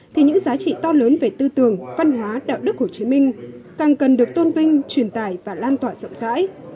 thì những giá trị to lớn về tư tưởng văn hóa đạo đức hồ chí minh càng cần được tôn vinh truyền tải và lan tỏa rộng rãi